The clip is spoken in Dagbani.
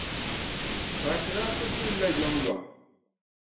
Fati daa kuli du li la yomyom.